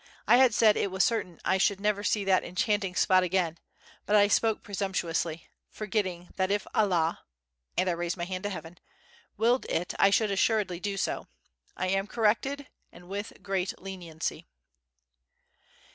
I had said it was certain I should never see that enchanting spot again, but I spoke presumptuously, forgetting that if Allah" (and I raised my hand to Heaven) "willed it I should assuredly do so. I am corrected, and with great leniency."